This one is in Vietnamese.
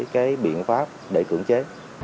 cái biện pháp để cưỡng chế